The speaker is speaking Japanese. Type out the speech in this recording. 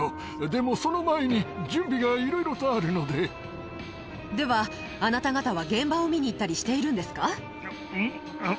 でも、その前に準備がいろいろとでは、あなた方は現場を見に行ったりしているんですか。